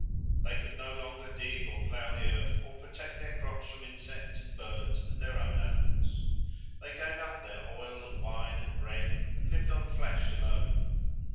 They could no longer dig or plough the earth or protect their crops from insects and birds and their own animals. They gave up their oil and wine and bread and lived on flesh alone.